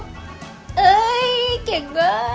เก่งมาก